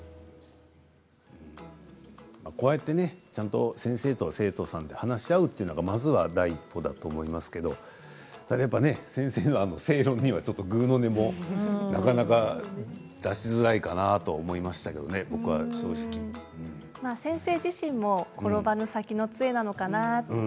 こうやって、ちゃんと先生と生徒さんが話し合うというのがまずは第一歩だと思いますけれどただやっぱり先生の正論にはぐうの音もねなかなか出しづらいかなというふうに思いましたけど先生自身も転ばぬ先のつえなのかなって。